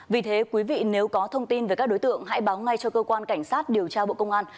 vì thế quý vị nếu có thông tin về các đối tượng hãy báo ngay cho cơ quan cảnh sát điều tra bộ công an